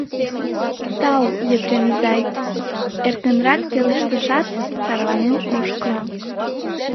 — Тау, Епрем изай, — эркынрак пелештышат, тарванен ошкыльо.